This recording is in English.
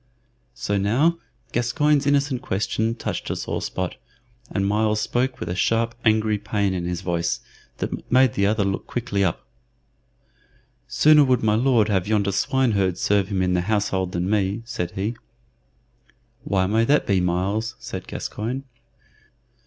So now Gascoyne's innocent question touched a sore spot, and Myles spoke with a sharp, angry pain in his voice that made the other look quickly up. "Sooner would my Lord have yonder swineherd serve him in the household than me," said he. "Why may that be, Myles?" said Gascoyne.